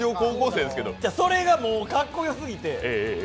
それがもう、かっこよすぎて。